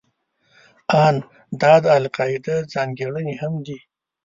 ان دا د القاعده ځانګړنې هم دي.